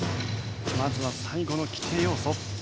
まずは最後の規定要素。